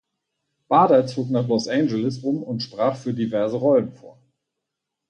Bader zog nach Los Angeles um und sprach für diverse Rollen vor.